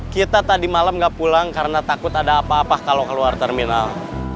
kita tadi malam nggak pulang karena takut ada apa apa kalau keluar terminal